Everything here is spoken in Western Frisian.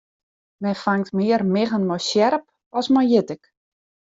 Men fangt mear miggen mei sjerp as mei jittik.